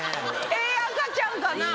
赤ちゃんかな？